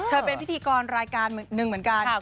เป็นพิธีกรรายการหนึ่งเหมือนกัน